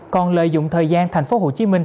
còn lợi dụng thời gian thành phố hồ chí minh